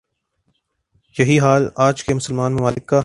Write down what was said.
یہی حال آج کے مسلمان ممالک کا